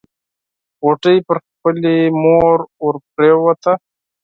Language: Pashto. غوټۍ پر خپلې مور ورپريوته.